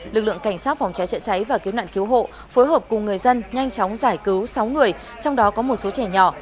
lực lượng cảnh sát phòng cháy chữa cháy và cứu nạn cứu hộ phối hợp cùng người dân nhanh chóng giải cứu sáu người trong đó có một số trẻ nhỏ